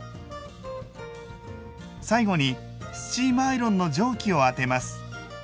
最後にスチームアイロンの蒸気を当てます。